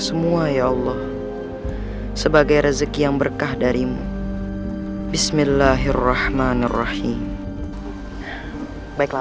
semua ya allah sebagai rezeki yang berkah darimu bismillahirrahmanirrahi baiklah